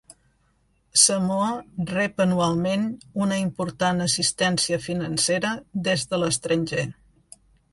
Samoa rep anualment una important assistència financera des de l'estranger.